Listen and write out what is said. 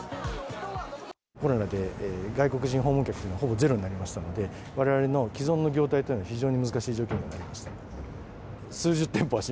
コロナで外国人訪問客というのはほぼゼロになりましたので、われわれの既存の業態というのは非常に難しい状況にはなりました。